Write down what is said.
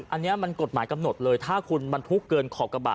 อันนี้มันกฎหมายกำหนดเลยถ้าคุณบรรทุกเกินขอบกระบะ